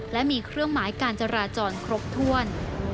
และมีเครื่องหมายการจราจรครบถ้วน